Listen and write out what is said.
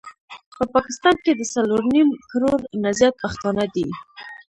په پاکستان کي د څلور نيم کروړ نه زيات پښتانه دي